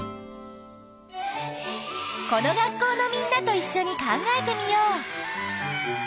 この学校のみんなといっしょに考えてみよう！